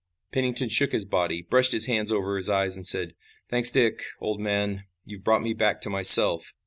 Pennington shook his body, brushed his hands over his eyes and said: "Thanks, Dick, old man; you've brought me back to myself."